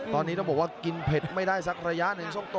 ตอนนี้ต้องบอกว่ากินเผ็ดไม่ได้สักระยะหนึ่งช่วงโต